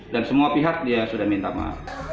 dan semua pihak dia sudah minta maaf